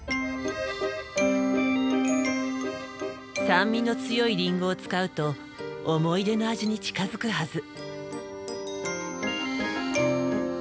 酸味の強いリンゴを使うと思い出の味に近づくはず。